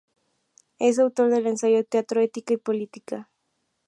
Es autor del ensayo "Teatro, Ética y Política.